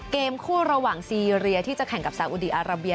เกมคู่ระหว่างซีเรียที่จะแข่งกับสาอุดีอาราเบีย